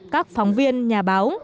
các phóng viên nhà báo